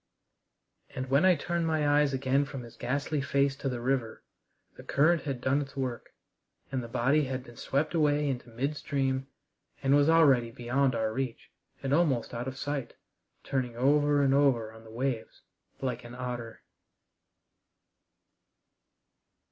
And when I turned my eyes again from his ghastly face to the river, the current had done its work, and the body had been swept away into midstream and was already beyond our reach and almost out of sight, turning over and over on the waves like an otter.